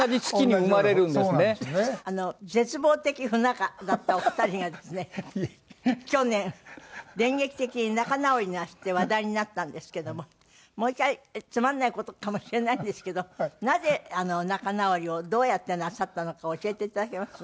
絶望的不仲だったお二人がですね去年電撃的に仲直りなすって話題になったんですけどももう１回つまんない事かもしれないんですけどなぜ仲直りをどうやってなさったのか教えていただけます？